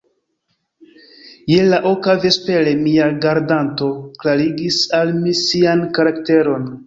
Je la oka vespere, mia gardanto klarigis al mi sian karakteron.